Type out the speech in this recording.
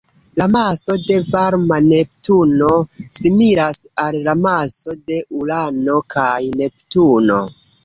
La maso de varma Neptuno similas al la maso de Urano kaj Neptuno.